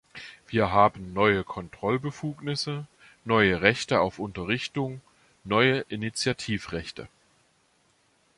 Wir haben neue Kontrollbefugnisse, neue Rechte auf Unterrichtung, neue Initiativrechte.